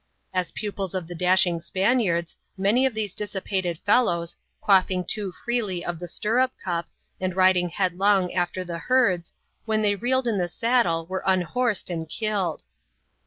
As pupils of the dashing Spaniards, many of these dissipated fel lows, quaffing too freely of the stirrup cup, and riding headlong after the herds, when they reeled in the saddle, were unhorsed and killed.